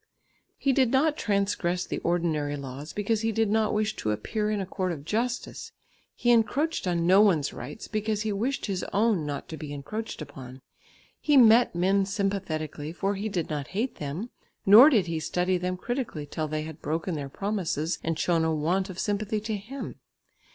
He did not transgress the ordinary laws, because he did not wish to appear in a court of justice; he encroached on no one's rights because he wished his own not to be encroached upon. He met men sympathetically, for he did not hate them, nor did he study them critically till they had broken their promises and shown a want of sympathy to him.